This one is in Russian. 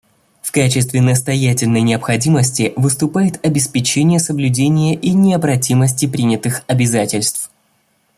В качестве настоятельной необходимости выступает обеспечение соблюдения и необратимости принятых обязательств.